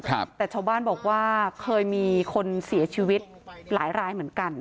ครับแต่ชาวบ้านบอกว่าเคยมีคนเสียชีวิตหลายรายเหมือนกัน